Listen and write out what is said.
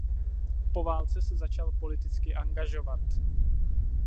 Po válce se začal politicky angažovat.